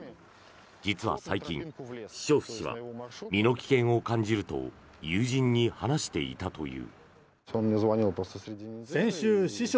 実は最近、シショフ氏は身の危険を感じると友人に話していたという。